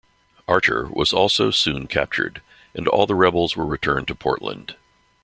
"Archer" was also soon captured and all the rebels were returned to Portland.